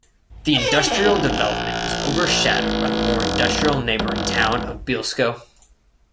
The industrial development was overshadowed by the more industrial neighbouring town of Bielsko.